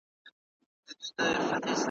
چا نارې وهلې چا ورته ژړله `